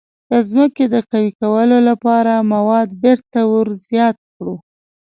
د ځمکې د قوي کولو لپاره مواد بیرته ور زیات کړو.